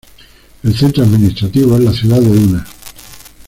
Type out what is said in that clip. El centro administrativo es la ciudad de Una.